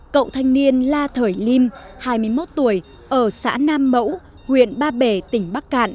cậu thanh niên la thời lim hai mươi một tuổi ở xã nam mẫu huyện ba bể tỉnh bắc cạn